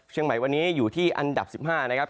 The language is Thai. เชียงใหม่วันนี้อยู่ที่อันดับ๑๕นะครับ